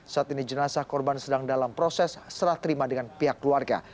saat ini jenazah korban sedang dalam proses serah terima dengan pihak keluarga